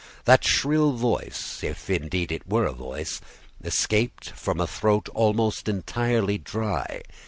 That shrill voice, if indeed it were a voice, escaped from a throat almost entirely dry.